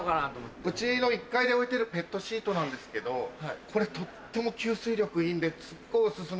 うちの１階で置いてるペットシートなんですけどこれとっても吸水力がいいんですっごいオススメ